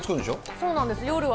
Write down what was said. そうなんです、夜は。